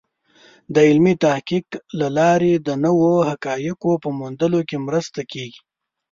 د علمي تحقیق له لارې د نوو حقایقو په موندلو کې مرسته کېږي.